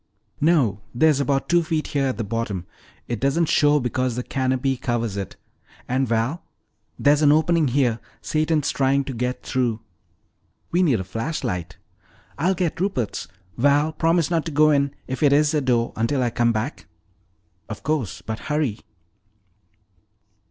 "No, there's about two feet here at the bottom. It doesn't show because the canopy covers it. And, Val, there's an opening here! Satan's trying to get through!" "We need a flashlight." "I'll get Rupert's. Val, promise not to go in if it is a door until I come back!" "Of course; but hurry."